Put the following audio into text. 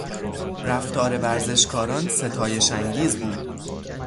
رفتار ورزشکاران ستایش انگیز بود.